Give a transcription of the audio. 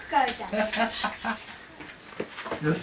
よし！